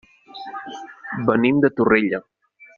Venim de Torrella.